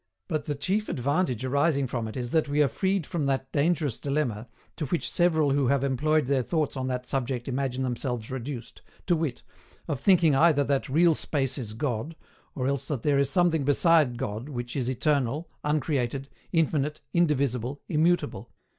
But the chief advantage arising from it is that we are freed from that dangerous dilemma, to which several who have employed their thoughts on that subject imagine themselves reduced, to wit, of thinking either that Real Space is God, or else that there is something beside God which is eternal, uncreated, infinite, indivisible, immutable.